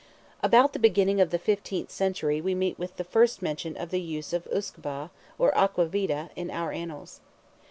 About the beginning of the fifteenth century we meet with the first mention of the use of Usquebagh, or Aqua Vitae, in our Annals.